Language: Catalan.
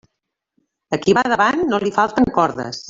A qui va davant no li falten cordes.